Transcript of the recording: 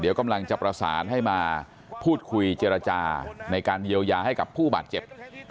เดี๋ยวกำลังจะประสานให้มาพูดคุยเจรจาในการเยียวยาให้กับผู้บาดเจ็บ